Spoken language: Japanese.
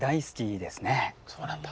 そうなんだ。